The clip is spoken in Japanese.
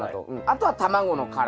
あとは卵の殻。